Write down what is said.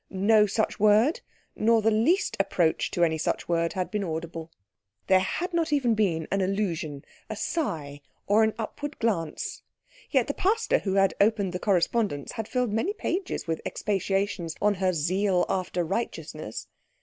No such word, not the least approach to any such word, had been audible. There had not even been an allusion, a sigh, or an upward glance. Yet the pastor who had opened the correspondence had filled many pages with expatiations on her zeal after righteousness.